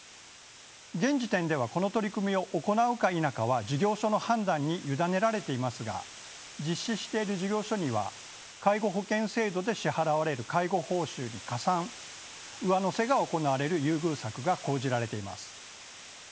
現時点ではこの取り組みを行うか否かは事業所の判断に委ねられていますが実施している事業所には介護保険制度で支払われる介護報酬に加算・上乗せが行われる優遇策が講じられています。